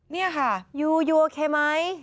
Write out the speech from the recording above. นี่ค่ะโอเคไหม